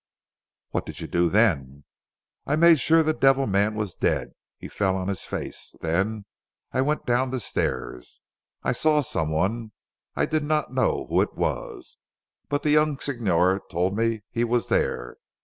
"What did you do then?" "I made sure the devil man was dead. He fell on his face. Then I went down the stairs. I saw someone, I did not know who it was. But the young Signor told me he was there.